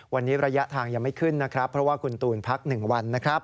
วันนี้ระยะทางยังไม่ขึ้นนะครับเพราะว่าคุณตูนพัก๑วันนะครับ